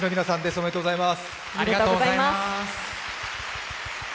おめでとうございます。